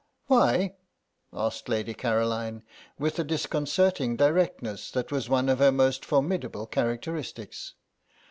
"Why?" asked Lady Caroline, with a disconcerting directness that was one of her most formidable characteristics.